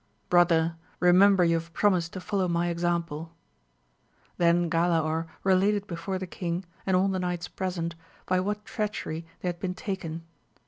Brother, remember you have promised to follow my example ! Then Galaor related before the king, and all the knights present, by what treachery they had been taken.